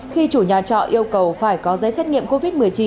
khi chủ nhà trọ yêu cầu phải có giấy xét nghiệm covid một mươi chín